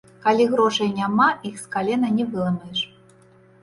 Калі грошай няма, іх з калена не выламаеш.